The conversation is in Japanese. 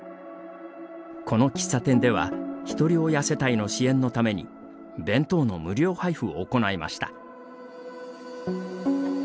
この喫茶店ではひとり親世帯の支援のために弁当の無料配布を行いました。